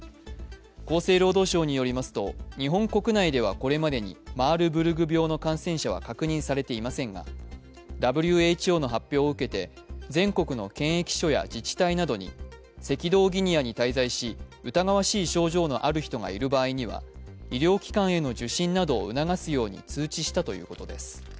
厚生労働省によりますと日本国内ではこれまでにマールブルグ病の感染者は確認されていませんがＷＨＯの発表を受けて全国の検疫所や赤道ギニアに滞在し、疑わしい症状のある人がいる場合には、医療機関への受診などを促すように通知したということです。